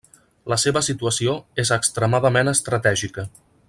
La seva situació és extremadament estratègica.